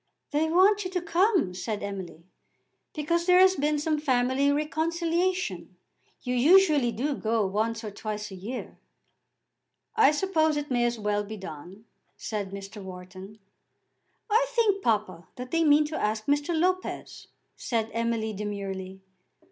"They want you to come," said Emily, "because there has been some family reconciliation. You usually do go once or twice a year." "I suppose it may as well be done," said Mr. Wharton. "I think, papa, that they mean to ask Mr. Lopez," said Emily demurely.